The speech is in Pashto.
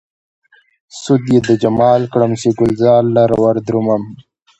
سود يې د جمال کړم، چې ګلزار لره ودرومم